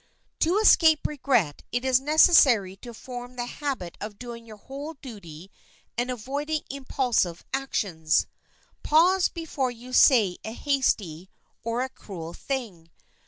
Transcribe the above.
To escape regret, it is necessary to form the habit of doing your whole duty and avoiding impulsive actions. Pause before you say a hasty or a cruel thing.